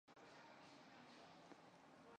由于静脉给药可致严重现已少用。